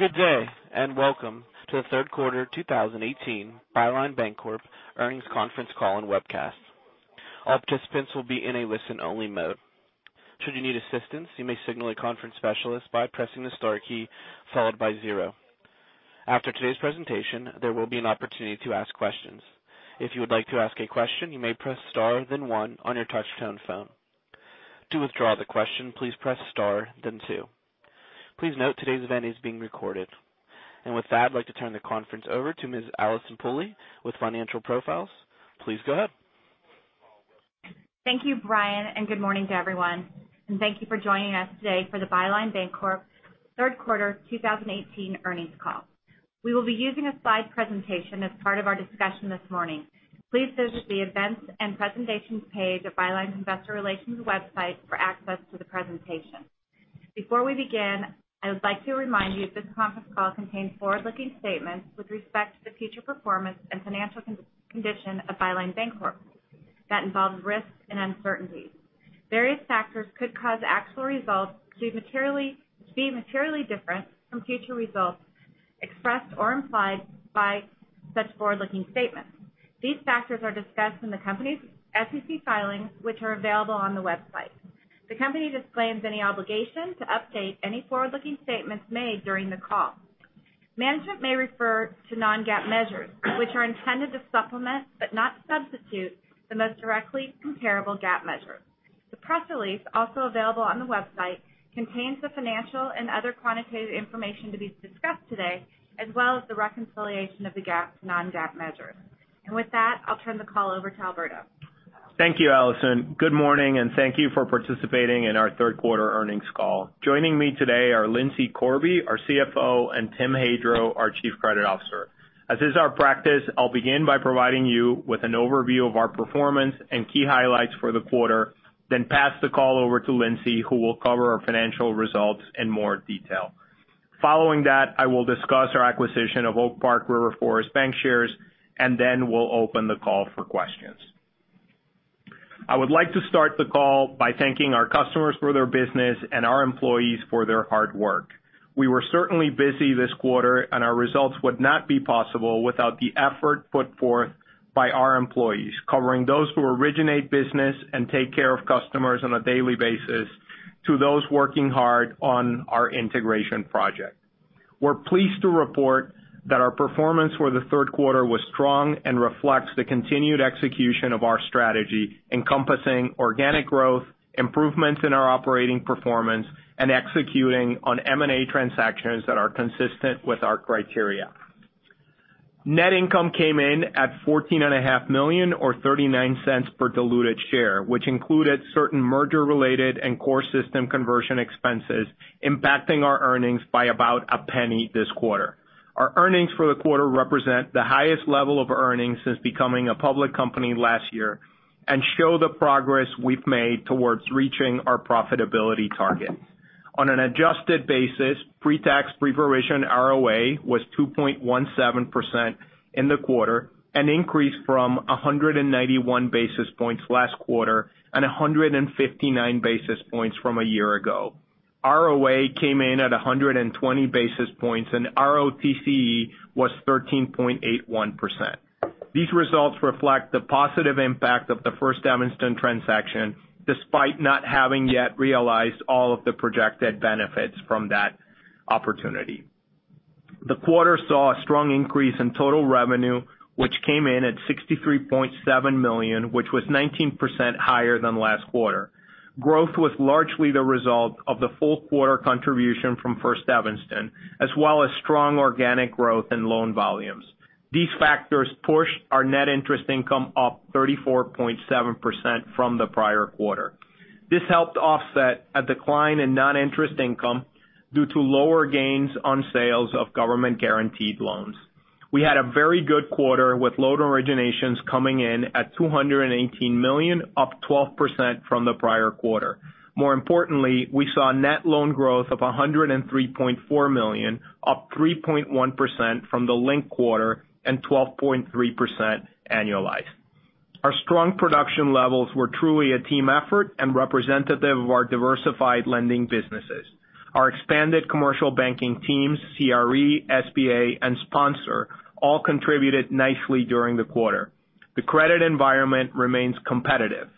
Good day, welcome to the third quarter 2018 Byline Bancorp earnings conference call and webcast. All participants will be in a listen-only mode. Should you need assistance, you may signal a conference specialist by pressing the star key followed by 0. After today's presentation, there will be an opportunity to ask questions. If you would like to ask a question, you may press star then one on your touch-tone phone. To withdraw the question, please press star then two. Please note, today's event is being recorded. With that, I'd like to turn the conference over to Ms. Allyson Pooley with Financial Profiles. Please go ahead. Thank you, Brian, good morning to everyone, thank you for joining us today for the Byline Bancorp third quarter 2018 earnings call. We will be using a slide presentation as part of our discussion this morning. Please visit the Events and Presentations page of Byline's investor relations website for access to the presentation. Before we begin, I would like to remind you that this conference call contains forward-looking statements with respect to the future performance and financial condition of Byline Bancorp that involve risks and uncertainties. Various factors could cause actual results to be materially different from future results expressed or implied by such forward-looking statements. These factors are discussed in the company's SEC filings, which are available on the website. The company disclaims any obligation to update any forward-looking statements made during the call. Management may refer to non-GAAP measures, which are intended to supplement, but not substitute, the most directly comparable GAAP measure. The press release, also available on the website, contains the financial and other quantitative information to be discussed today, as well as the reconciliation of the GAAP to non-GAAP measures. With that, I'll turn the call over to Alberto. Thank you, Allyson. Good morning, thank you for participating in our third quarter earnings call. Joining me today are Lindsay Corby, our CFO, and Tim Hadro, our Chief Credit Officer. As is our practice, I'll begin by providing you with an overview of our performance and key highlights for the quarter, then pass the call over to Lindsay, who will cover our financial results in more detail. Following that, I will discuss our acquisition of Oak Park River Forest Bankshares, then we'll open the call for questions. I would like to start the call by thanking our customers for their business and our employees for their hard work. We were certainly busy this quarter, and our results would not be possible without the effort put forth by our employees, covering those who originate business and take care of customers on a daily basis, to those working hard on our integration project. We're pleased to report that our performance for the third quarter was strong and reflects the continued execution of our strategy encompassing organic growth, improvements in our operating performance, and executing on M&A transactions that are consistent with our criteria. Net income came in at $14.5 million, or $0.39 per diluted share, which included certain merger-related and core system conversion expenses impacting our earnings by about $0.01 this quarter. Our earnings for the quarter represent the highest level of earnings since becoming a public company last year and show the progress we've made towards reaching our profitability target. On an adjusted basis, pre-tax pre-provision ROA was 2.17% in the quarter, an increase from 191 basis points last quarter and 159 basis points from a year ago. ROA came in at 120 basis points, and ROTCE was 13.81%. These results reflect the positive impact of the First Evanston transaction, despite not having yet realized all of the projected benefits from that opportunity. The quarter saw a strong increase in total revenue, which came in at $63.7 million, which was 19% higher than last quarter. Growth was largely the result of the full quarter contribution from First Evanston, as well as strong organic growth and loan volumes. These factors pushed our net interest income up 34.7% from the prior quarter. This helped offset a decline in non-interest income due to lower gains on sales of government-guaranteed loans. We had a very good quarter with loan originations coming in at $218 million, up 12% from the prior quarter. More importantly, we saw net loan growth of $103.4 million, up 3.1% from the linked quarter and 12.3% annualized. Our strong production levels were truly a team effort and representative of our diversified lending businesses. Our expanded commercial banking teams, CRE, SBA, and sponsor all contributed nicely during the quarter. The credit environment remains competitive.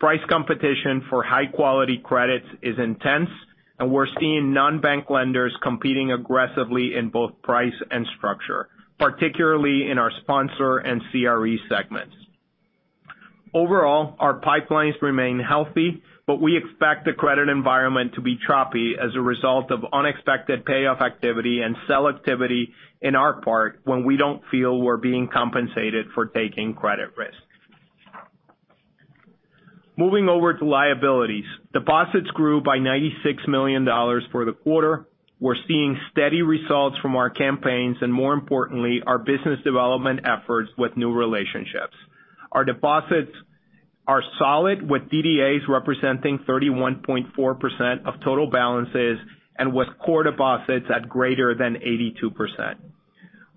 Price competition for high-quality credits is intense, and we're seeing non-bank lenders competing aggressively in both price and structure, particularly in our sponsor and CRE segments. Overall, our pipelines remain healthy, but we expect the credit environment to be choppy as a result of unexpected payoff activity and sell activity in our part when we don't feel we're being compensated for taking credit risk. Moving over to liabilities. Deposits grew by $96 million for the quarter. We're seeing steady results from our campaigns and, more importantly, our business development efforts with new relationships. Our deposits are solid, with DDAs representing 31.4% of total balances and with core deposits at greater than 82%.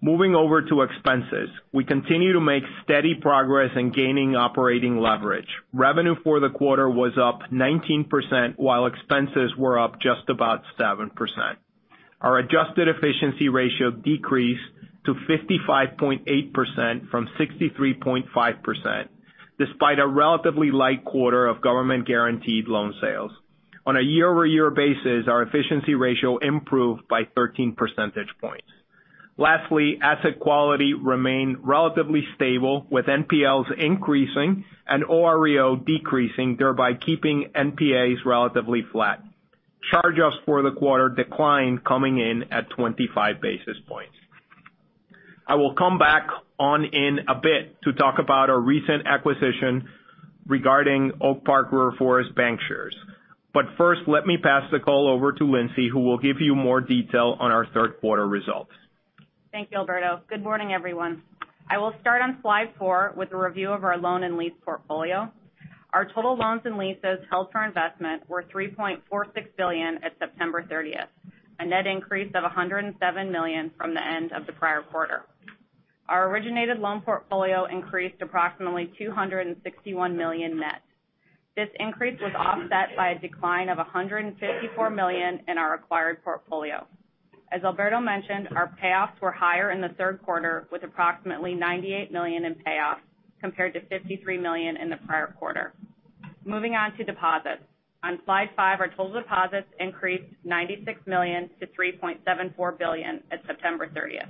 Moving over to expenses. We continue to make steady progress in gaining operating leverage. Revenue for the quarter was up 19%, while expenses were up just about 7%. Our adjusted efficiency ratio decreased to 55.8% from 63.5%, despite a relatively light quarter of government-guaranteed loan sales. On a year-over-year basis, our efficiency ratio improved by 13 percentage points. Lastly, asset quality remained relatively stable, with NPLs increasing and OREO decreasing, thereby keeping NPAs relatively flat. Charge-offs for the quarter declined, coming in at 25 basis points. I will come back on in a bit to talk about our recent acquisition regarding Oak Park River Forest Bankshares. First, let me pass the call over to Lindsay, who will give you more detail on our third quarter results. Thank you, Alberto. Good morning, everyone. I will start on slide four with a review of our loan and lease portfolio. Our total loans and leases held for investment were $3.46 billion at September 30th, a net increase of $107 million from the end of the prior quarter. Our originated loan portfolio increased approximately $261 million net. This increase was offset by a decline of $154 million in our acquired portfolio. As Alberto mentioned, our payoffs were higher in the third quarter, with approximately $98 million in payoffs, compared to $53 million in the prior quarter. Moving on to deposits. On slide five, our total deposits increased $96 million to $3.74 billion at September 30th.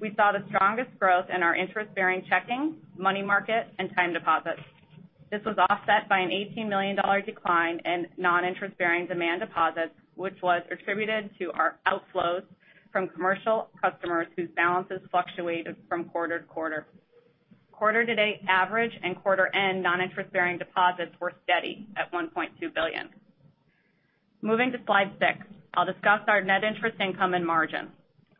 We saw the strongest growth in our interest-bearing checking, money market, and time deposits. This was offset by an $18 million decline in non-interest-bearing demand deposits, which was attributed to our outflows from commercial customers whose balances fluctuated from quarter-to-quarter. Quarter-to-date average and quarter-end non-interest-bearing deposits were steady at $1.2 billion. Moving to slide six, I'll discuss our net interest income and margin.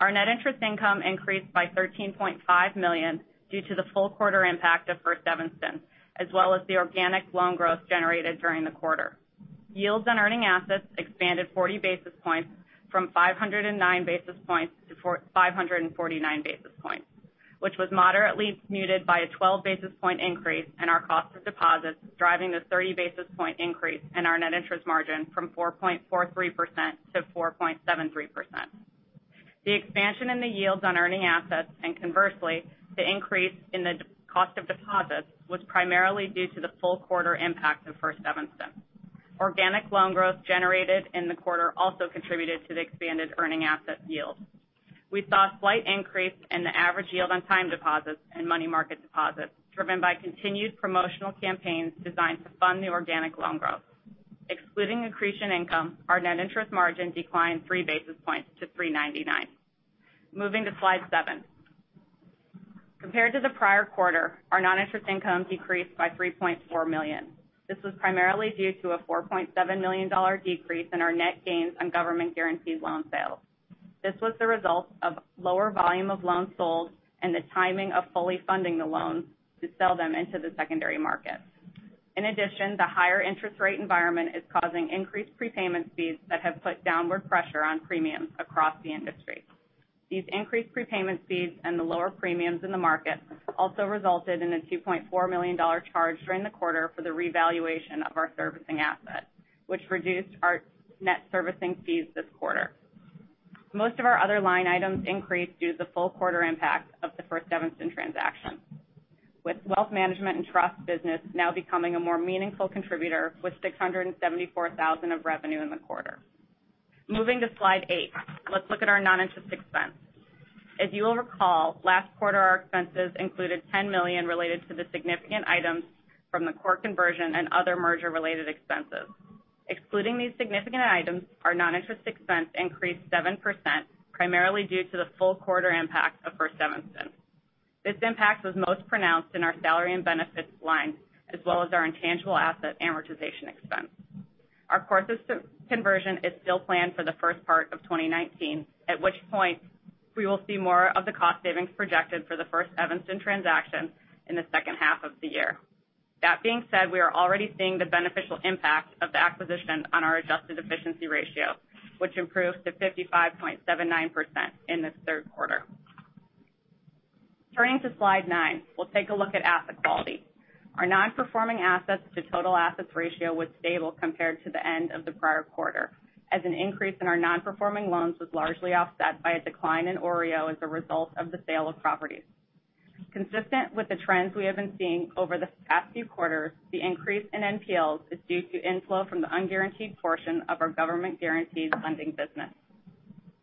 Our net interest income increased by $13.5 million due to the full quarter impact of First Evanston, as well as the organic loan growth generated during the quarter. Yields on earning assets expanded 40 basis points from 509 basis points to 549 basis points, which was moderately muted by a 12 basis point increase in our cost of deposits, driving the 30 basis point increase in our net interest margin from 4.43% to 4.73%. The expansion in the yields on earning assets, and conversely, the increase in the cost of deposits, was primarily due to the full quarter impact of First Evanston. Organic loan growth generated in the quarter also contributed to the expanded earning asset yield. We saw a slight increase in the average yield on time deposits and money market deposits, driven by continued promotional campaigns designed to fund new organic loan growth. Excluding accretion income, our net interest margin declined three basis points to 3.99%. Moving to slide seven. Compared to the prior quarter, our non-interest income decreased by $3.4 million. This was primarily due to a $4.7 million decrease in our net gains on government-guaranteed loan sales. This was the result of lower volume of loans sold and the timing of fully funding the loans to sell them into the secondary market. In addition, the higher interest rate environment is causing increased prepayment speeds that have put downward pressure on premiums across the industry. These increased prepayment speeds and the lower premiums in the market also resulted in a $2.4 million charge during the quarter for the revaluation of our servicing assets, which reduced our net servicing fees this quarter. Most of our other line items increased due to the full quarter impact of the First Evanston transaction, with wealth management and trust business now becoming a more meaningful contributor with $674,000 of revenue in the quarter. Moving to slide eight, let's look at our non-interest expense. As you will recall, last quarter, our expenses included $10 million related to the significant items from the core conversion and other merger-related expenses. Excluding these significant items, our non-interest expense increased 7%, primarily due to the full quarter impact of First Evanston. This impact was most pronounced in our salary and benefits line, as well as our intangible asset amortization expense. Our core conversion is still planned for the first part of 2019, at which point we will see more of the cost savings projected for the First Evanston transaction in the second half of the year. That being said, we are already seeing the beneficial impact of the acquisition on our adjusted efficiency ratio, which improved to 55.79% in this third quarter. Turning to slide nine, we'll take a look at asset quality. Our non-performing assets to total assets ratio was stable compared to the end of the prior quarter, as an increase in our non-performing loans was largely offset by a decline in OREO as a result of the sale of properties. Consistent with the trends we have been seeing over the past few quarters, the increase in NPLs is due to inflow from the unguaranteed portion of our government-guaranteed funding business.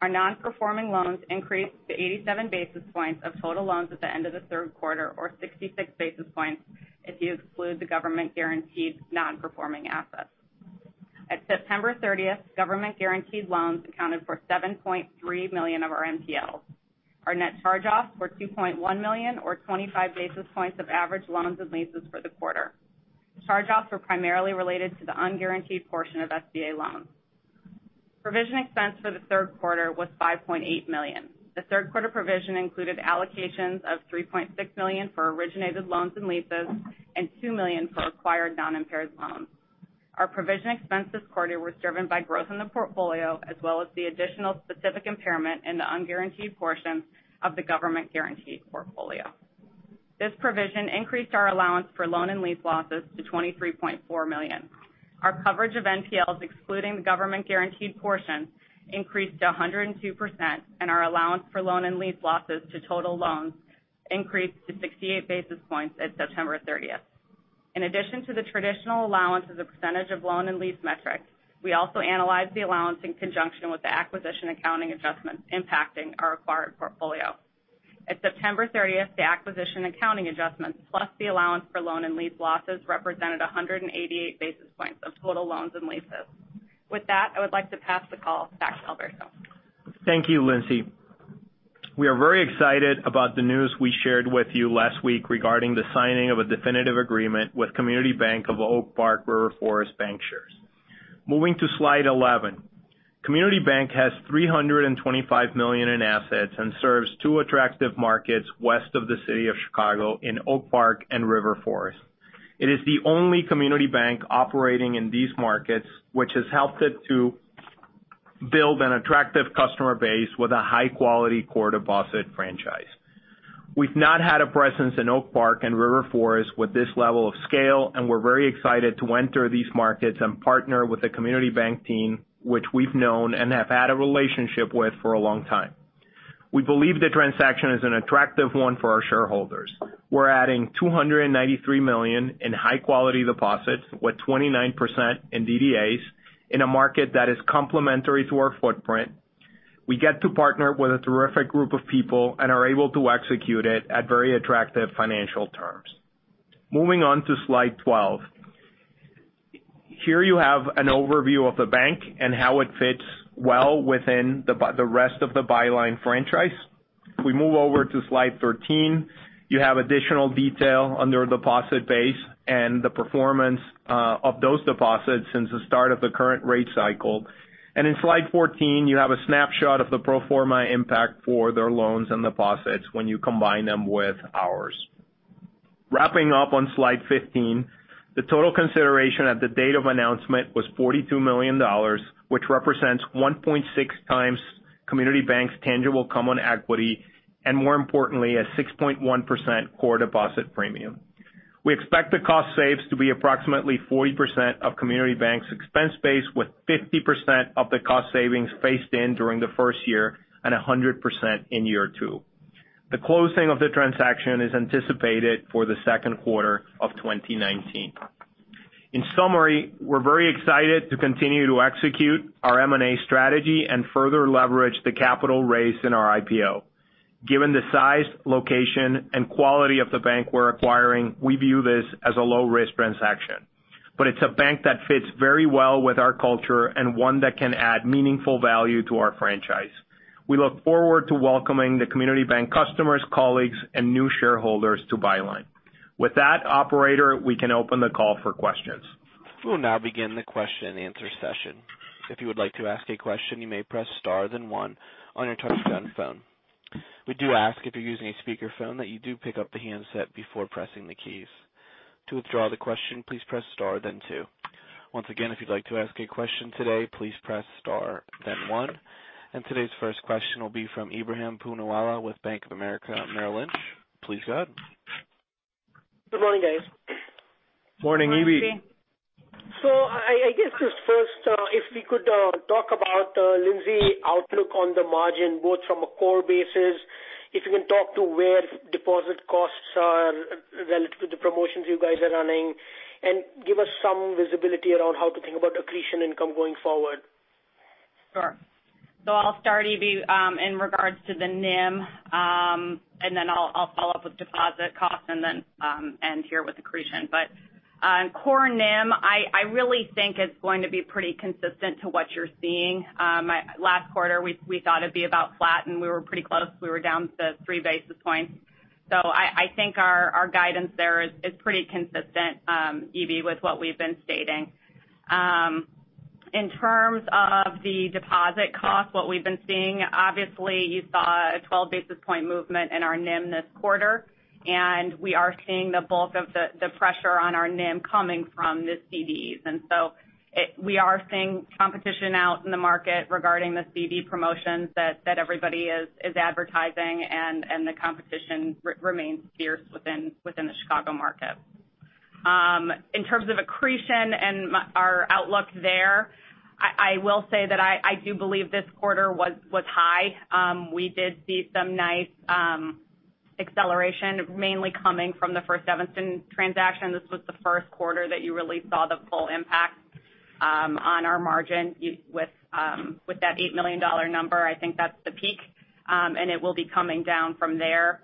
Our non-performing loans increased to 87 basis points of total loans at the end of the third quarter, or 66 basis points if you exclude the government-guaranteed non-performing assets. At September 30th, government-guaranteed loans accounted for $7.3 million of our NPL. Our net charge-offs were $2.1 million, or 25 basis points of average loans and leases for the quarter. The charge-offs were primarily related to the unguaranteed portion of SBA loans. Provision expense for the third quarter was $5.8 million. The third quarter provision included allocations of $3.6 million for originated loans and leases and $2 million for acquired non-impaired loans. Our provision expense this quarter was driven by growth in the portfolio, as well as the additional specific impairment in the unguaranteed portions of the government-guaranteed portfolio. This provision increased our allowance for loan and lease losses to $23.4 million. Our coverage of NPLs, excluding the government-guaranteed portion, increased to 102%, and our allowance for loan and lease losses to total loans increased to 68 basis points at September 30th. In addition to the traditional allowance as a percentage of loan and lease metrics, we also analyzed the allowance in conjunction with the acquisition accounting adjustments impacting our acquired portfolio. At September 30th, the acquisition accounting adjustments, plus the allowance for loan and lease losses, represented 188 basis points of total loans and leases. With that, I would like to pass the call back to Alberto. Thank you, Lindsay. We are very excited about the news we shared with you last week regarding the signing of a definitive agreement with Community Bank of Oak Park River Forest Bankshares, Inc. Moving to slide 11. Community Bank has $325 million in assets and serves two attractive markets west of the city of Chicago in Oak Park and River Forest. It is the only community bank operating in these markets, which has helped it to build an attractive customer base with a high-quality core deposit franchise. We've not had a presence in Oak Park and River Forest with this level of scale, and we're very excited to enter these markets and partner with the Community Bank team, which we've known and have had a relationship with for a long time. We believe the transaction is an attractive one for our shareholders. We're adding $293 million in high-quality deposits with 29% in DDAs in a market that is complementary to our footprint. We get to partner with a terrific group of people and are able to execute it at very attractive financial terms. Moving on to slide 12. Here you have an overview of the bank and how it fits well within the rest of the Byline franchise. If we move over to slide 13, you have additional detail on their deposit base and the performance of those deposits since the start of the current rate cycle. In slide 14, you have a snapshot of the pro forma impact for their loans and deposits when you combine them with ours. Wrapping up on slide 15, the total consideration at the date of announcement was $42 million, which represents 1.6 times Community Bank's tangible common equity, and more importantly, a 6.1% core deposit premium. We expect the cost saves to be approximately 40% of Community Bank's expense base, with 50% of the cost savings phased in during the first year and 100% in year two. The closing of the transaction is anticipated for the second quarter of 2019. In summary, we're very excited to continue to execute our M&A strategy and further leverage the capital raise in our IPO. Given the size, location, and quality of the bank we're acquiring, we view this as a low-risk transaction. It's a bank that fits very well with our culture and one that can add meaningful value to our franchise. We look forward to welcoming the Community Bank customers, colleagues, and new shareholders to Byline. With that, operator, we can open the call for questions. We'll now begin the question and answer session. If you would like to ask a question, you may press star then one on your touchtone phone. We do ask if you're using a speakerphone that you do pick up the handset before pressing the keys. To withdraw the question, please press star then two. Once again, if you'd like to ask a question today, please press star then one. Today's first question will be from Ebrahim Poonawala with Bank of America Merrill Lynch. Please go ahead. Good morning, guys. Morning, EB. Morning, EB. I guess just first, if we could talk about, Lindsay, outlook on the margin, both from a core basis. If you can talk to where deposit costs are relative to the promotions you guys are running, and give us some visibility around how to think about accretion income going forward. Sure. I'll start, EB, in regards to the NIM, and then I'll follow up with deposit costs and then end here with accretion. On core NIM, I really think it's going to be pretty consistent to what you're seeing. Last quarter, we thought it'd be about flat, and we were pretty close. We were down to three basis points. I think our guidance there is pretty consistent, AB, with what we've been stating. In terms of the deposit cost, what we've been seeing, obviously, you saw a 12-basis point movement in our NIM this quarter, and we are seeing the bulk of the pressure on our NIM coming from the CDs. We are seeing competition out in the market regarding the CD promotions that everybody is advertising, and the competition remains fierce within the Chicago market. In terms of accretion and our outlook there, I will say that I do believe this quarter was high. We did see some nice acceleration, mainly coming from the First Evanston transaction. This was the first quarter that you really saw the full impact on our margin with that $8 million number. I think that's the peak, and it will be coming down from there.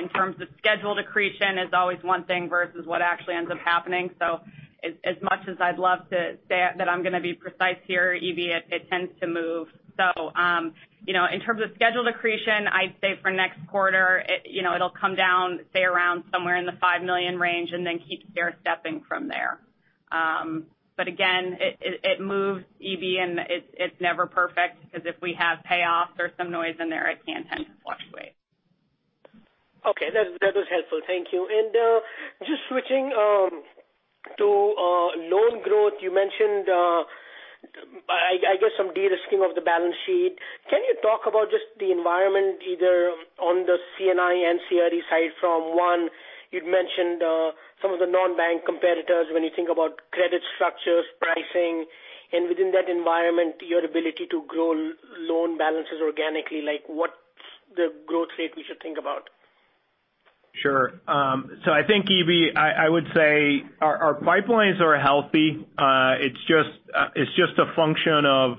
In terms of scheduled accretion is always one thing versus what actually ends up happening. As much as I'd love to say that I'm going to be precise here, EB, it tends to move. In terms of scheduled accretion, I'd say for next quarter, it'll come down, say around somewhere in the $5 million range, and then keep stair-stepping from there. Again, it moves, EB, and it's never perfect because if we have payoffs or some noise in there, it can tend to move. Okay. That was helpful. Thank you. Just switching to loan growth, you mentioned, I guess, some de-risking of the balance sheet. Can you talk about just the environment either on the C&I and CRE side from you'd mentioned some of the non-bank competitors when you think about credit structures, pricing, and within that environment, your ability to grow loan balances organically, like what's the growth rate we should think about? Sure. I think, EB, I would say our pipelines are healthy. It's just a function of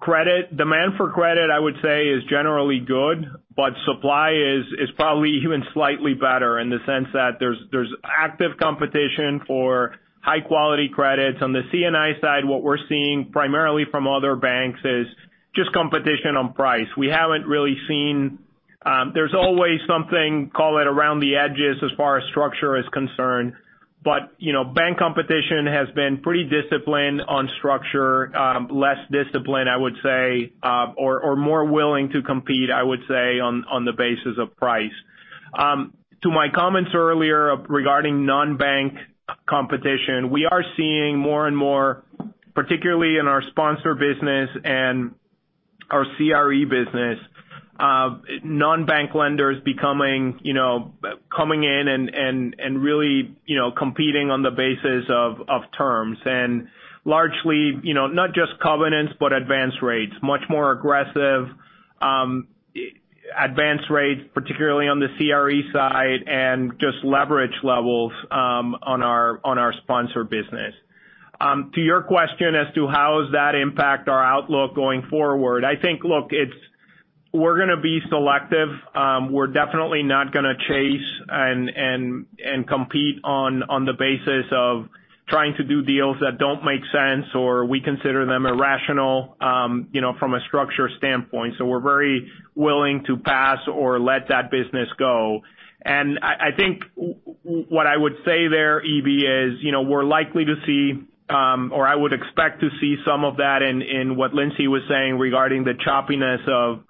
credit. Demand for credit, I would say, is generally good, but supply is probably even slightly better in the sense that there's active competition for high-quality credits. On the C&I side, what we're seeing primarily from other banks is just competition on price. There's always something, call it around the edges, as far as structure is concerned, but bank competition has been pretty disciplined on structure. Less disciplined, I would say, or more willing to compete, I would say, on the basis of price. To my comments earlier regarding non-bank competition, we are seeing more and more, particularly in our sponsor business and our CRE business, non-bank lenders coming in and really competing on the basis of terms. Largely, not just covenants, but advance rates, much more aggressive advance rates, particularly on the CRE side and just leverage levels on our sponsor business. To your question as to how does that impact our outlook going forward, I think, look, we're going to be selective. We're definitely not going to chase and compete on the basis of trying to do deals that don't make sense, or we consider them irrational from a structure standpoint. We're very willing to pass or let that business go. I think what I would say there, EB, is we're likely to see or I would expect to see some of that in what Lindsay was saying regarding the choppiness of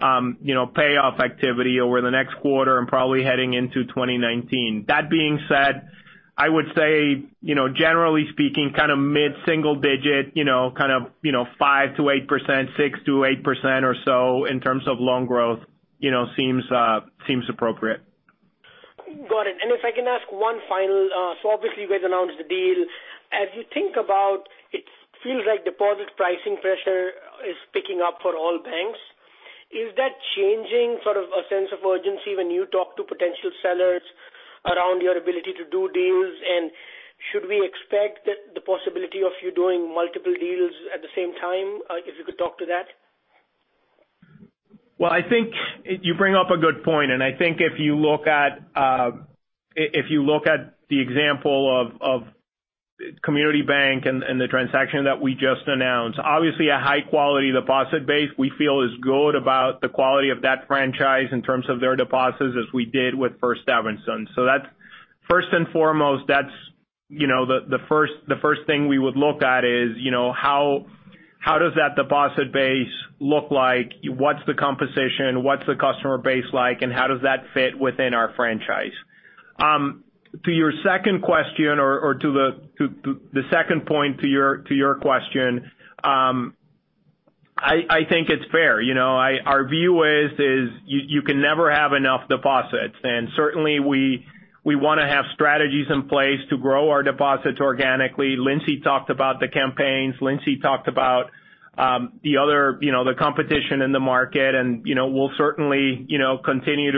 payoff activity over the next quarter and probably heading into 2019. That being said, I would say generally speaking, mid-single digit, 5%-8%, 6%-8% or so in terms of loan growth seems appropriate. Got it. If I can ask one final. Obviously you guys announced the deal. As you think about it feels like deposit pricing pressure is picking up for all banks. Is that changing sort of a sense of urgency when you talk to potential sellers around your ability to do deals? Should we expect the possibility of you doing multiple deals at the same time? If you could talk to that. I think you bring up a good point. I think if you look at the example of Community Bank and the transaction that we just announced. Obviously a high-quality deposit base. We feel as good about the quality of that franchise in terms of their deposits as we did with First Evanston. First and foremost the first thing we would look at is how does that deposit base look like? What's the composition? What's the customer base like? How does that fit within our franchise? To your second question or to the second point to your question, I think it's fair. Our view is you can never have enough deposits, and certainly we want to have strategies in place to grow our deposits organically. Lindsay talked about the campaigns. Lindsay talked about the competition in the market. We'll certainly continue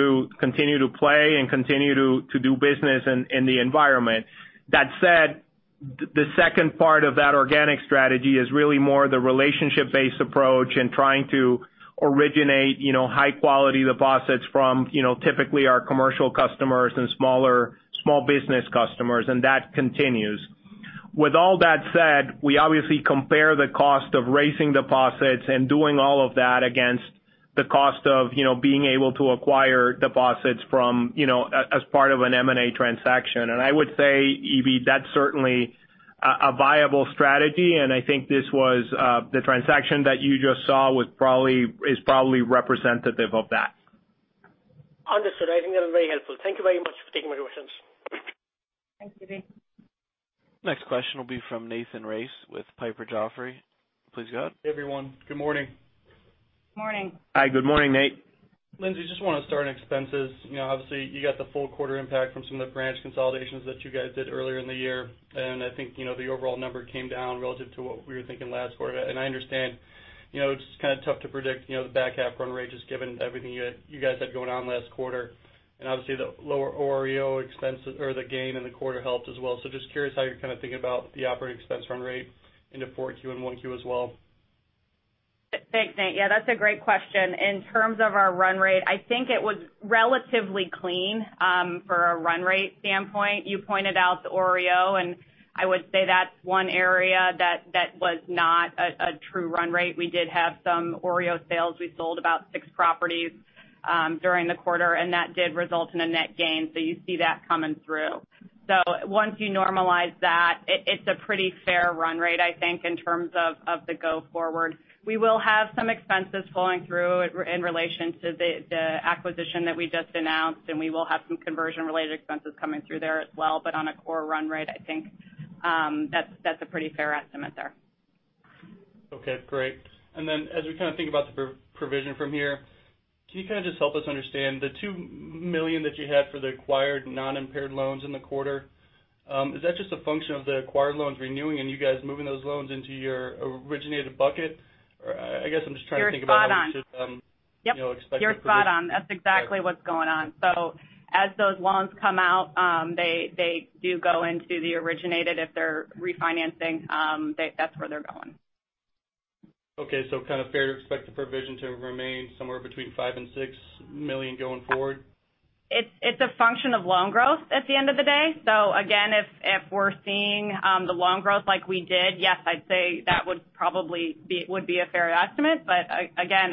to play and continue to do business in the environment. That said, the second part of that organic strategy is really more the relationship-based approach and trying to originate high-quality deposits from typically our commercial customers and small business customers. That continues. With all that said, we obviously compare the cost of raising deposits and doing all of that against the cost of being able to acquire deposits as part of an M&A transaction. I would say, EB, that's certainly a viable strategy. I think the transaction that you just saw is probably representative of that. Understood. I think that was very helpful. Thank you very much for taking my questions. Thanks, EB. Next question will be from Nathan Race with Piper Jaffray. Please go ahead. Hey, everyone. Good morning. Morning. Hi. Good morning, Nate. Lindsay, just want to start on expenses. Obviously, you got the full quarter impact from some of the branch consolidations that you guys did earlier in the year. I think the overall number came down relative to what we were thinking last quarter. I understand it's kind of tough to predict the back half run rate just given everything you guys had going on last quarter. Obviously the lower OREO expense or the gain in the quarter helped as well. Just curious how you're kind of thinking about the operating expense run rate into 4Q and 1Q as well. Thanks, Nate. Yeah, that's a great question. In terms of our run rate, I think it was relatively clean for a run rate standpoint. You pointed out the OREO. I would say that's one area that was not a true run rate. We did have some OREO sales. We sold about six properties during the quarter. That did result in a net gain. You see that coming through. Once you normalize that, it's a pretty fair run rate, I think, in terms of the go forward. We will have some expenses flowing through in relation to the acquisition that we just announced. We will have some conversion-related expenses coming through there as well. On a core run rate, I think that's a pretty fair estimate there. Okay, great. Then as we kind of think about the provision from here, can you kind of just help us understand the $2 million that you had for the acquired non-impaired loans in the quarter, is that just a function of the acquired loans renewing and you guys moving those loans into your originated bucket? I guess I'm just trying to think about how we should. You're spot on. Expect it. Yep, you're spot on. That's exactly what's going on. As those loans come out, they do go into the originated. If they're refinancing, that's where they're going. Okay, kind of fair to expect the provision to remain somewhere between $5 million and $6 million going forward? It's a function of loan growth at the end of the day. Again, if we're seeing the loan growth like we did, yes, I'd say that would be a fair estimate. Again,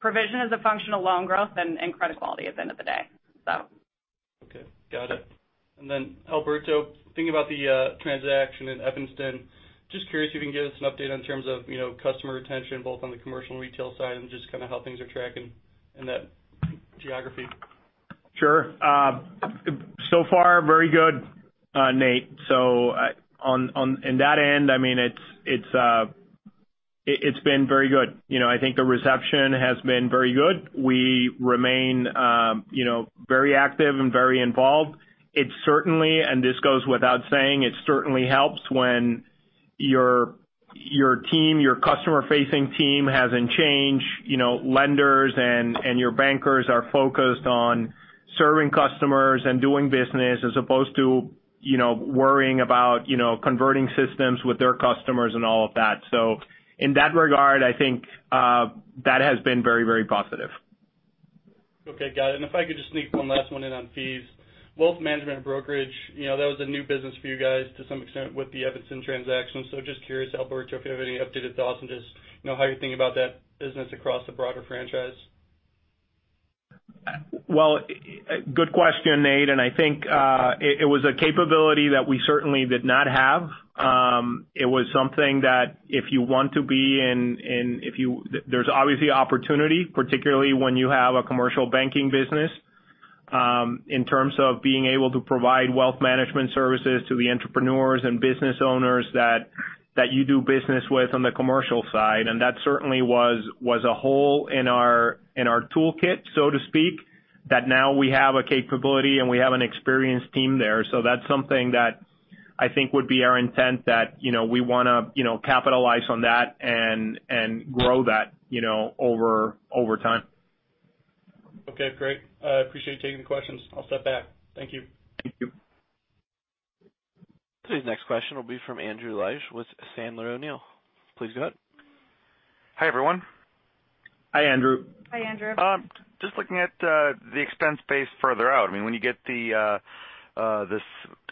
provision is a function of loan growth and credit quality at the end of the day. Okay. Got it. Alberto, thinking about the transaction in Evanston, just curious if you can give us an update in terms of customer retention, both on the commercial and retail side, and just kind of how things are tracking in that geography. Sure. So far very good, Nate. On in that end, it's been very good. I think the reception has been very good. We remain very active and very involved. It certainly, and this goes without saying, it certainly helps when your customer-facing team hasn't changed, lenders and your bankers are focused on serving customers and doing business as opposed to worrying about converting systems with their customers and all of that. In that regard, I think that has been very, very positive. Okay, got it. If I could just sneak one last one in on fees. Wealth management and brokerage, that was a new business for you guys to some extent with the Evanston transaction. Just curious, Alberto, if you have any updated thoughts and just how you're thinking about that business across the broader franchise. Well, good question, Nate. I think it was a capability that we certainly did not have. It was something that if you want to be, there's obviously opportunity, particularly when you have a commercial banking business, in terms of being able to provide wealth management services to the entrepreneurs and business owners that you do business with on the commercial side. That certainly was a hole in our toolkit, so to speak, that now we have a capability and we have an experienced team there. That's something that I think would be our intent that we want to capitalize on that and grow that over time. Okay, great. I appreciate you taking the questions. I'll step back. Thank you. Thank you. Today's next question will be from Andrew Liesch with Sandler O'Neill. Please go ahead. Hi, everyone. Hi, Andrew. Hi, Andrew. Just looking at the expense base further out. When you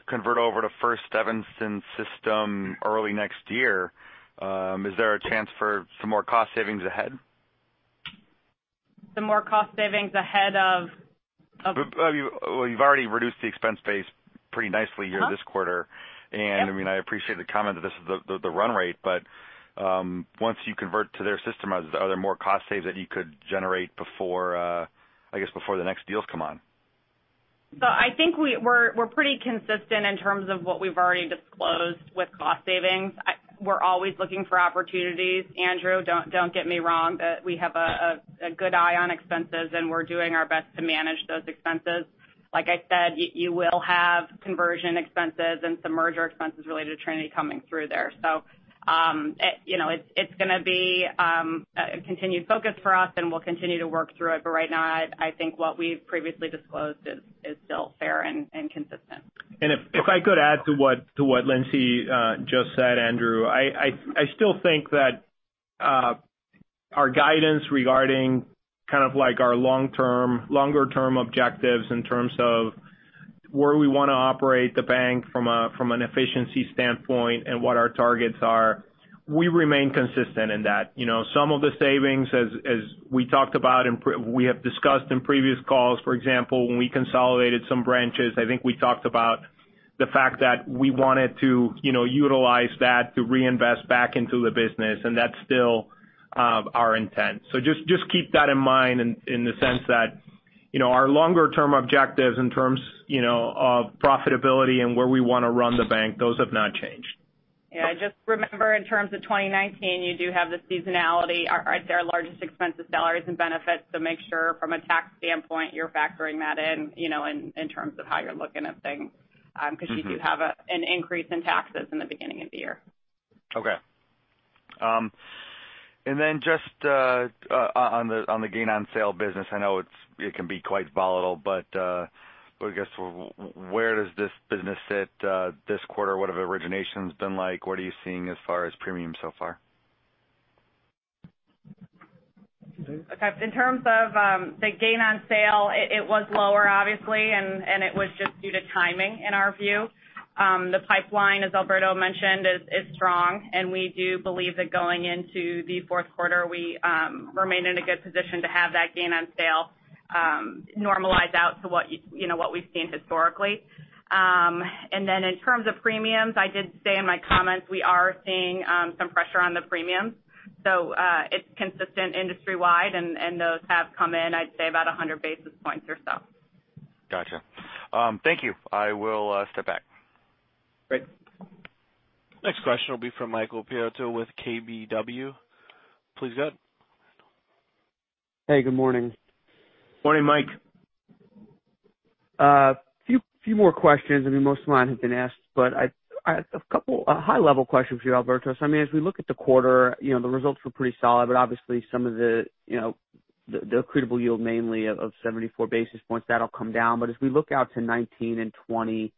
convert over to First Evanston system early next year, is there a chance for some more cost savings ahead? Some more cost savings ahead of? Well, you've already reduced the expense base pretty nicely here this quarter. Uh-huh. Yep. I appreciate the comment that this is the run rate, but once you convert to their system, are there more cost saves that you could generate before the next deals come on? I think we're pretty consistent in terms of what we've already disclosed with cost savings. We're always looking for opportunities, Andrew, don't get me wrong, but we have a good eye on expenses and we're doing our best to manage those expenses. Like I said, you will have conversion expenses and some merger expenses related to Trinity coming through there. It's going to be a continued focus for us and we'll continue to work through it. Right now, I think what we've previously disclosed is still fair and consistent. If I could add to what Lindsay just said, Andrew, I still think that our guidance regarding kind of like our longer term objectives in terms of where we want to operate the bank from an efficiency standpoint and what our targets are, we remain consistent in that. Some of the savings, as we have discussed in previous calls, for example, when we consolidated some branches, I think we talked about the fact that we wanted to utilize that to reinvest back into the business, and that's still our intent. Just keep that in mind in the sense that our longer term objectives in terms of profitability and where we want to run the bank, those have not changed. Yeah, just remember in terms of 2019, you do have the seasonality. Our largest expense is salaries and benefits. Make sure from a tax standpoint, you're factoring that in terms of how you're looking at things. You do have an increase in taxes in the beginning of the year. Okay. Just on the gain on sale business. I know it can be quite volatile, but I guess where does this business sit this quarter? What have originations been like? What are you seeing as far as premiums so far? Okay. In terms of the gain on sale, it was lower obviously, it was just due to timing in our view. The pipeline, as Alberto mentioned, is strong, and we do believe that going into the fourth quarter, we remain in a good position to have that gain on sale normalize out to what we've seen historically. In terms of premiums, I did say in my comments, we are seeing some pressure on the premiums. It's consistent industry-wide, and those have come in, I'd say about 100 basis points or so. Got you. Thank you. I will step back. Great. Next question will be from Michael Perito with KBW. Please go ahead. Hey, good morning. Morning, Mike. A few more questions. Most of mine have been asked, but I have a couple high-level questions for you, Alberto. As we look at the quarter, the results were pretty solid, but obviously some of the accretable yield mainly of 74 basis points, that'll come down. As we look out to 2019 and 2020,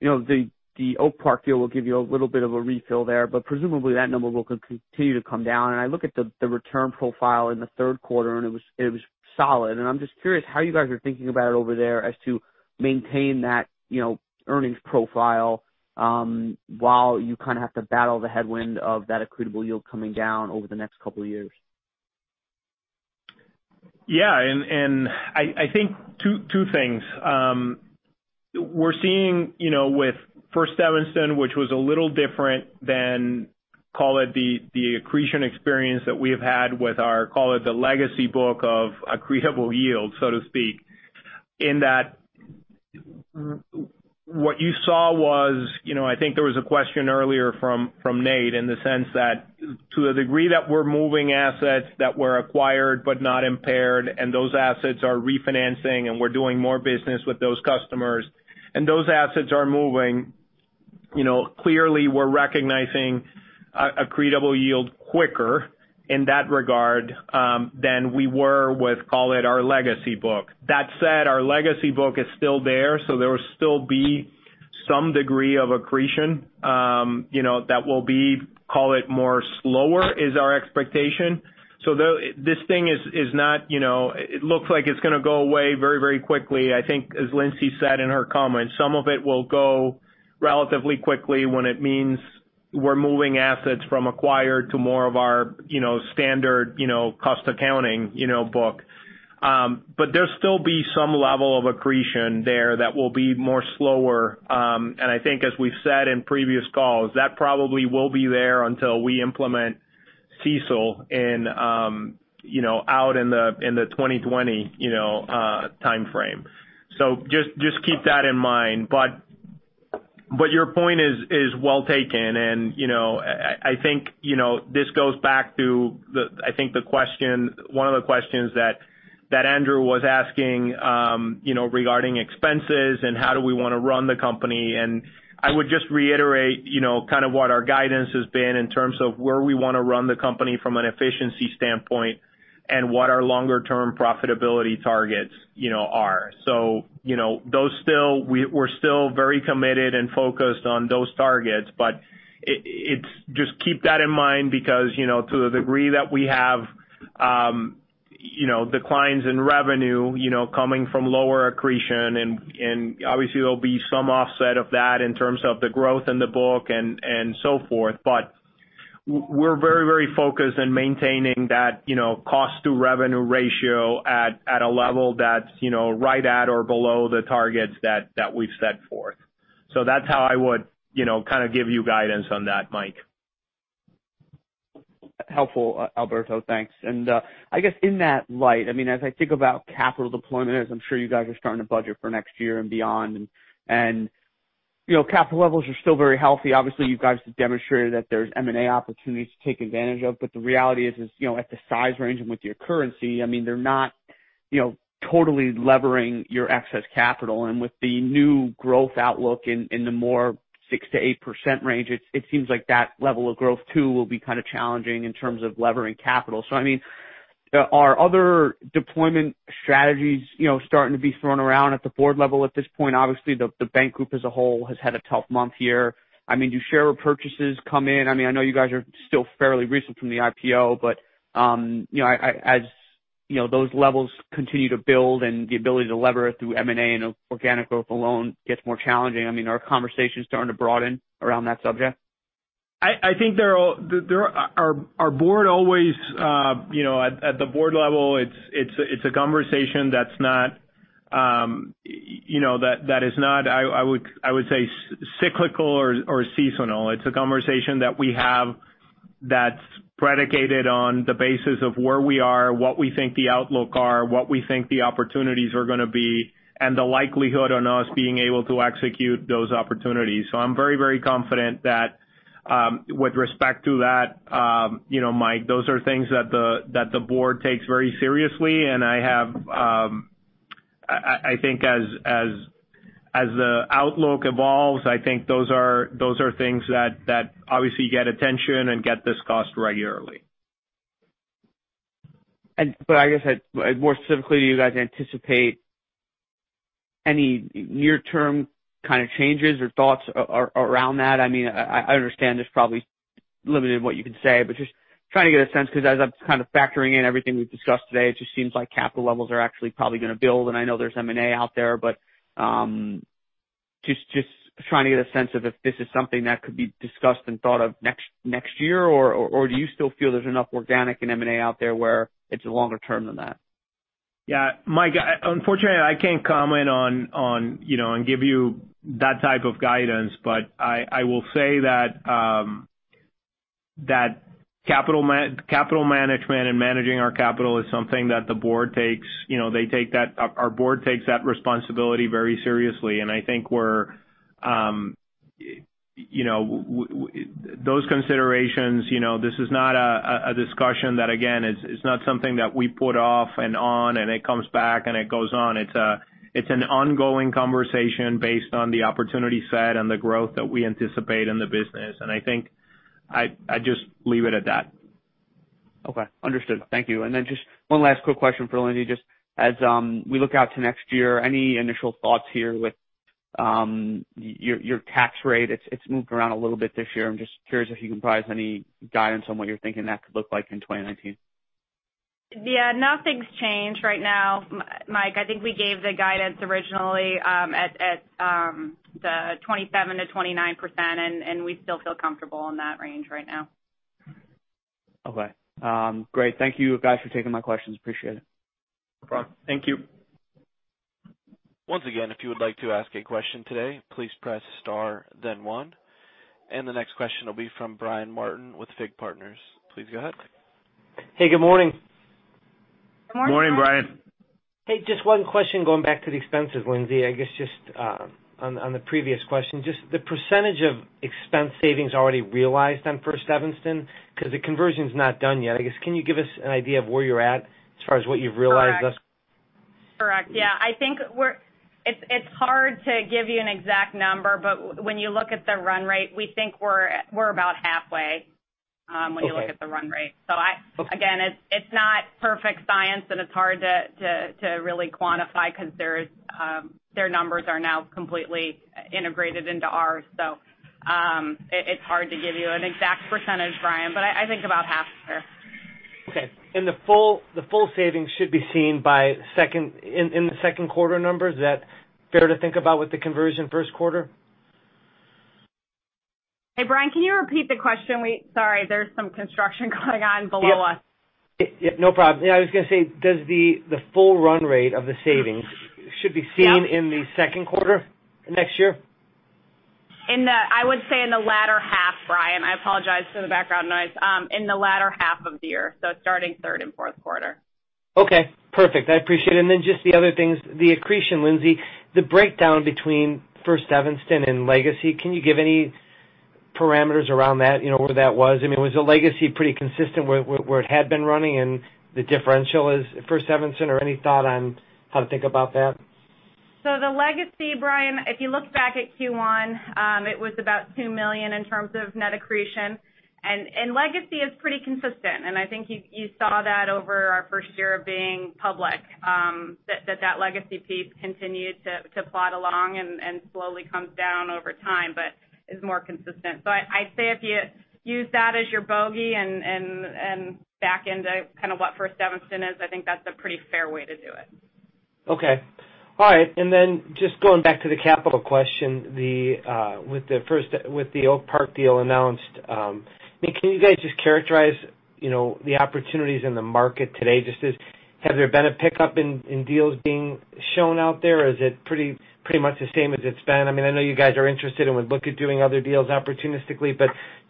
the Oak Park deal will give you a little bit of a refill there, but presumably that number will continue to come down. I look at the return profile in the third quarter, and it was solid. I'm just curious how you guys are thinking about it over there as to maintain that earnings profile, while you kind of have to battle the headwind of that accretable yield coming down over the next couple of years. I think two things. We're seeing with First Evanston, which was a little different than, call it the accretion experience that we have had with our, call it the legacy book of accretable yield, so to speak, in that what you saw was, I think there was a question earlier from Nate in the sense that to the degree that we're moving assets that were acquired but not impaired, and those assets are refinancing and we're doing more business with those customers, and those assets are moving. Clearly we're recognizing accretable yield quicker in that regard, than we were with, call it our legacy book. That said, our legacy book is still there, so there will still be some degree of accretion that will be, call it more slower, is our expectation. This thing it looks like it's going to go away very quickly. I think as Lindsay said in her comments, some of it will go relatively quickly when it means we're moving assets from acquired to more of our standard cost accounting book. There'll still be some level of accretion there that will be more slower. I think as we've said in previous calls, that probably will be there until we implement CECL out in the 2020 timeframe. Just keep that in mind. Your point is well taken, and I think this goes back to one of the questions that Andrew was asking regarding expenses and how do we want to run the company. I would just reiterate kind of what our guidance has been in terms of where we want to run the company from an efficiency standpoint and what our longer term profitability targets are. We're still very committed and focused on those targets, but just keep that in mind because to the degree that we have declines in revenue coming from lower accretion, and obviously there'll be some offset of that in terms of the growth in the book and so forth. We're very focused on maintaining that cost to revenue ratio at a level that's right at or below the targets that we've set forth. That's how I would kind of give you guidance on that, Mike. Helpful, Alberto. Thanks. I guess in that light, as I think about capital deployment, as I'm sure you guys are starting to budget for next year and beyond, and capital levels are still very healthy. Obviously you guys have demonstrated that there's M&A opportunities to take advantage of, but the reality is at the size range and with your currency, they're not totally levering your excess capital. With the new growth outlook in the more 6%-8% range, it seems like that level of growth too will be kind of challenging in terms of levering capital. Are other deployment strategies starting to be thrown around at the board level at this point? Obviously the bank group as a whole has had a tough month here. Do share repurchases come in? I know you guys are still fairly recent from the IPO, as those levels continue to build and the ability to lever through M&A and organic growth alone gets more challenging. Are conversations starting to broaden around that subject? I think at the board level, it's a conversation that is not I would say cyclical or seasonal. It's a conversation that we have that's predicated on the basis of where we are, what we think the outlook are, what we think the opportunities are going to be, and the likelihood on us being able to execute those opportunities. I'm very confident that with respect to that Mike, those are things that the board takes very seriously, and I think as the outlook evolves, I think those are things that obviously get attention and get discussed regularly. I guess more specifically, do you guys anticipate any near term kind of changes or thoughts around that? I understand there's probably limited in what you can say, but just trying to get a sense because as I'm kind of factoring in everything we've discussed today, it just seems like capital levels are actually probably going to build. I know there's M&A out there, but just trying to get a sense of if this is something that could be discussed and thought of next year or do you still feel there's enough organic and M&A out there where it's longer term than that? Yeah, Mike, unfortunately, I can't comment and give you that type of guidance, but I will say that capital management and managing our capital is something that our board takes that responsibility very seriously. I think those considerations, this is not a discussion that, again, is not something that we put off and on, and it comes back, and it goes on. It's an ongoing conversation based on the opportunity set and the growth that we anticipate in the business. I think I just leave it at that. Okay. Understood. Thank you. Just one last quick question for Lindsay. Just as we look out to next year, any initial thoughts here with your tax rate? It's moved around a little bit this year. I'm just curious if you can provide any guidance on what you're thinking that could look like in 2019. Yeah, nothing's changed right now, Mike. I think we gave the guidance originally at the 27%-29%, we still feel comfortable in that range right now. Okay. Great. Thank you, guys, for taking my questions. Appreciate it. No problem. Thank you. Once again, if you would like to ask a question today, please press star then one. The next question will be from Brian Martin with FIG Partners. Please go ahead. Hey, good morning. Good morning. Morning, Brian. Hey, just one question going back to the expenses, Lindsay. I guess just on the previous question, just the percentage of expense savings already realized on First Evanston, because the conversion's not done yet, I guess, can you give us an idea of where you're at as far as what you've realized. Correct. Yeah. I think it's hard to give you an exact number, but when you look at the run rate, we think we're about. Okay when you look at the run rate. Okay. Again, it's not perfect science, and it's hard to really quantify because their numbers are now completely integrated into ours. It's hard to give you an exact percentage, Brian, but I think about half there. Okay. The full savings should be seen in the second quarter numbers. Is that fair to think about with the conversion first quarter? Hey, Brian, can you repeat the question? Sorry, there's some construction going on below us. Yeah. No problem. I was going to say, does the full run rate of the savings should be seen in the second quarter next year? I would say in the latter half, Brian. I apologize for the background noise. In the latter half of the year. Starting third and fourth quarter. Okay, perfect. I appreciate it. Just the other thing is the accretion, Lindsay. The breakdown between First Evanston and Legacy. Can you give any parameters around that, where that was? I mean, was the Legacy pretty consistent where it had been running and the differential is First Evanston or any thought on how to think about that? The Legacy, Brian, if you look back at Q1, it was about $2 million in terms of net accretion. Legacy is pretty consistent, and I think you saw that over our first year of being public, that Legacy piece continued to plod along and slowly comes down over time, but is more consistent. I'd say if you use that as your bogey and back into kind of what First Evanston is, I think that's a pretty fair way to do it. Okay. All right. Just going back to the capital question, with the Oak Park deal announced, can you guys just characterize the opportunities in the market today? Has there been a pickup in deals being shown out there, or is it pretty much the same as it's been? I know you guys are interested and would look at doing other deals opportunistically,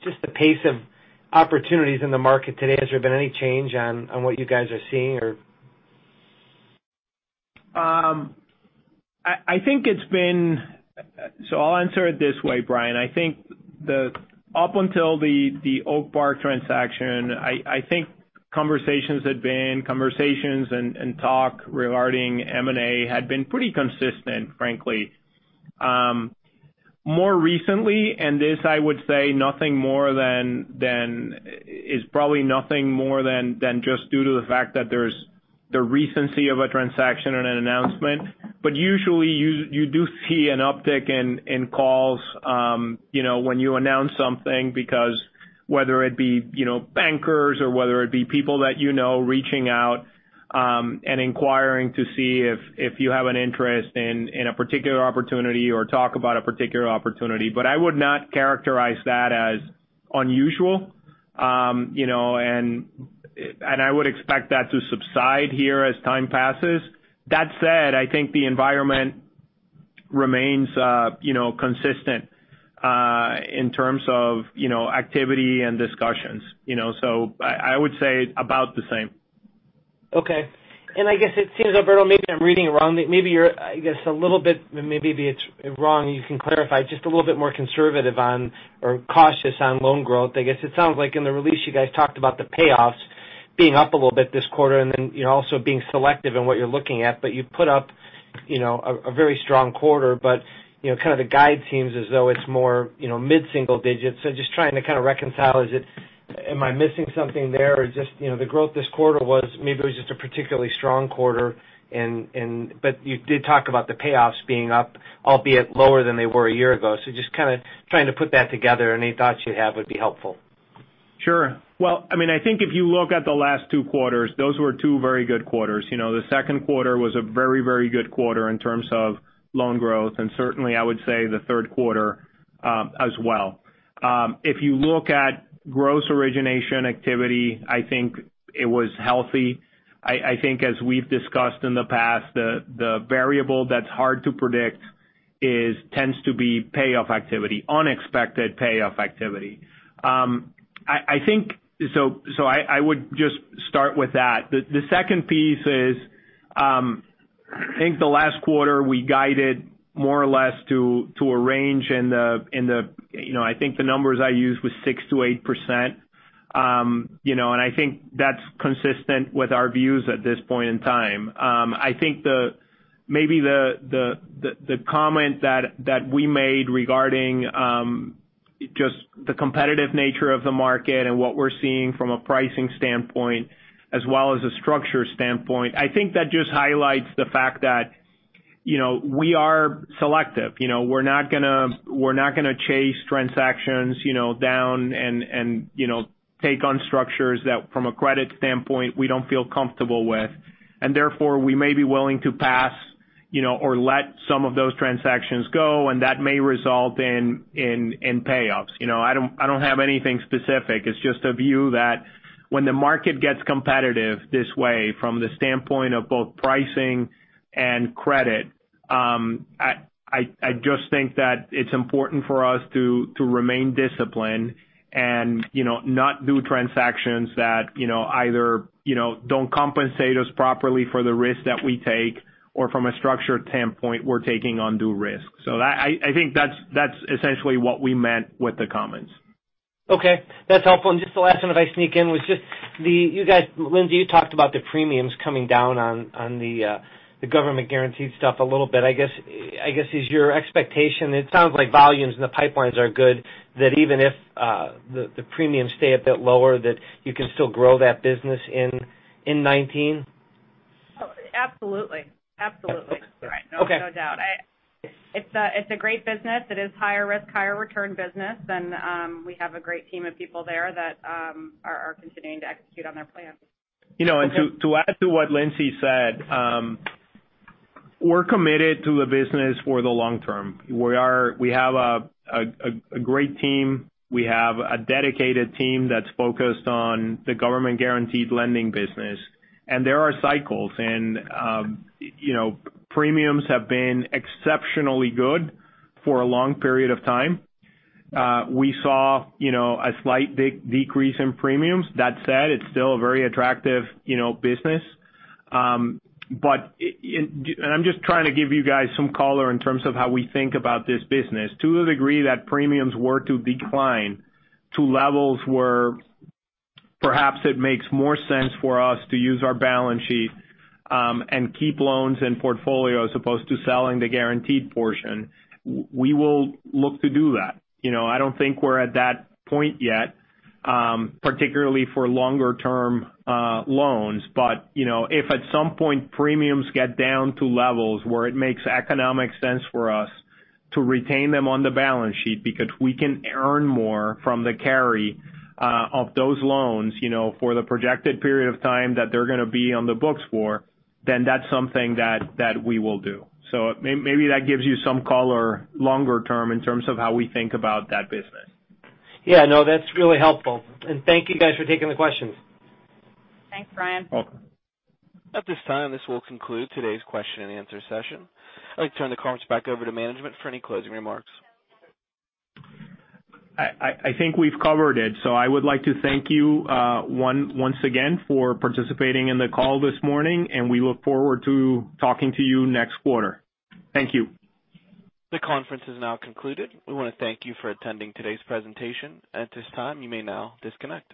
just the pace of opportunities in the market today, has there been any change on what you guys are seeing or? I'll answer it this way, Brian. I think up until the Oak Park transaction, I think conversations and talk regarding M&A had been pretty consistent, frankly. More recently, this, I would say, is probably nothing more than just due to the fact that there's the recency of a transaction and an announcement. Usually, you do see an uptick in calls when you announce something, because whether it be bankers or whether it be people that you know reaching out, and inquiring to see if you have an interest in a particular opportunity or talk about a particular opportunity. I would not characterize that as unusual. I would expect that to subside here as time passes. That said, I think the environment remains consistent, in terms of activity and discussions. I would say about the same. I guess it seems, Alberto, maybe I'm reading it wrong. Maybe it's wrong, you can clarify, just a little bit more conservative on or cautious on loan growth. I guess it sounds like in the release you guys talked about the payoffs being up a little bit this quarter and then also being selective in what you're looking at. You put up a very strong quarter, but kind of the guide seems as though it's more mid-single digits. Just trying to kind of reconcile. Am I missing something there? The growth this quarter was maybe it was just a particularly strong quarter. You did talk about the payoffs being up, albeit lower than they were a year ago. Just kind of trying to put that together. Any thoughts you have would be helpful. Sure. Well, I think if you look at the last two quarters, those were two very good quarters. The second quarter was a very good quarter in terms of loan growth, and certainly, I would say the third quarter as well. If you look at gross origination activity, I think it was healthy. I think as we've discussed in the past, the variable that's hard to predict tends to be payoff activity, unexpected payoff activity. I would just start with that. The second piece is, I think the last quarter we guided more or less to a range. I think the numbers I used were 6%-8%, and I think that's consistent with our views at this point in time. I think maybe the comment that we made regarding just the competitive nature of the market and what we're seeing from a pricing standpoint as well as a structure standpoint, I think that just highlights the fact that we are selective. We're not going to chase transactions down and take on structures that, from a credit standpoint, we don't feel comfortable with. Therefore, we may be willing to pass or let some of those transactions go, and that may result in payoffs. I don't have anything specific. It's just a view that when the market gets competitive this way, from the standpoint of both pricing and credit, I just think that it's important for us to remain disciplined and not do transactions that either don't compensate us properly for the risk that we take, or from a structure standpoint, we're taking undue risk. I think that's essentially what we meant with the comments. That's helpful. Just the last one if I sneak in was just, Lindsay, you talked about the premiums coming down on the government-guaranteed stuff a little bit. I guess, is your expectation, it sounds like volumes in the pipelines are good, that even if the premiums stay a bit lower, that you can still grow that business in 2019? Absolutely. You're right. Okay. No doubt. It's a great business. It is higher risk, higher return business. We have a great team of people there that are continuing to execute on their plan. To add to what Lindsay said, we're committed to the business for the long term. We have a great team. We have a dedicated team that's focused on the government-guaranteed lending business. There are cycles, and premiums have been exceptionally good for a long period of time. We saw a slight decrease in premiums. That said, it's still a very attractive business. I'm just trying to give you guys some color in terms of how we think about this business. To the degree that premiums were to decline to levels where perhaps it makes more sense for us to use our balance sheet and keep loans in portfolio as opposed to selling the guaranteed portion, we will look to do that. I don't think we're at that point yet, particularly for longer term loans. If at some point premiums get down to levels where it makes economic sense for us to retain them on the balance sheet because we can earn more from the carry of those loans for the projected period of time that they're going to be on the books for, that's something that we will do. Maybe that gives you some color longer term in terms of how we think about that business. Yeah, no, that's really helpful. Thank you guys for taking the questions. Thanks, Brian. Welcome. At this time, this will conclude today's question and answer session. I'd like to turn the conference back over to management for any closing remarks. I think we've covered it. I would like to thank you once again for participating in the call this morning, and we look forward to talking to you next quarter. Thank you. The conference is now concluded. We want to thank you for attending today's presentation. At this time, you may now disconnect.